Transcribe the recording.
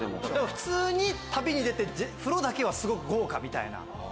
普通に旅に出て風呂だけはすごく豪華みたいな。